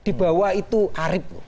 di bawah itu harib loh